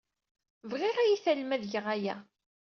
Bɣiɣ ad iyi-tallem ad geɣ aya.